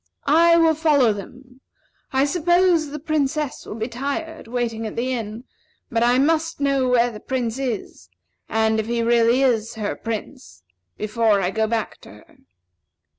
I will follow them. I suppose the Princess will be tired, waiting at the inn; but I must know where the Prince is, and if he is really her Prince, before I go back to her."